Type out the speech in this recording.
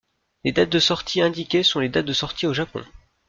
Les dates de sortie indiquées sont les dates de sortie au Japon.